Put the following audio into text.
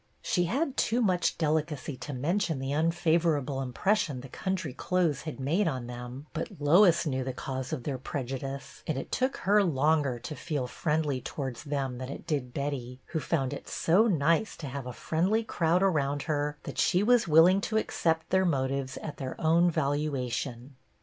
She had too much HER FIRST RECEPTION 113 delicacy to mention the unfavorable impres sion the country clothes had made on them ; but Lois knew the cause of their prejudice, and it took her longer to feel friendly towards them than it did Betty, who found it so nice to have a friendly crowd around her that she was willing to accept their motives at their own valuation.